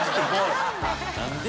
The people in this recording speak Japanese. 何で？